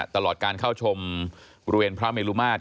ตลอดการเข้าชมบริเวณพระเมลุมาตร